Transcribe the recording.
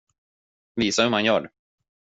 Visa hur man gör.